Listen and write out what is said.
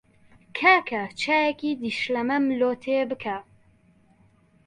کاکە چایەکی دیشلەمەم لۆ تێ بکە.